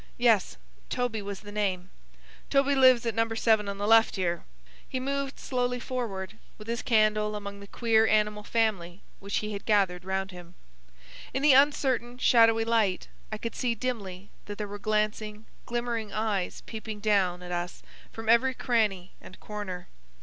"Yes, Toby was the name." "Toby lives at No. 7 on the left here." He moved slowly forward with his candle among the queer animal family which he had gathered round him. In the uncertain, shadowy light I could see dimly that there were glancing, glimmering eyes peeping down at us from every cranny and corner.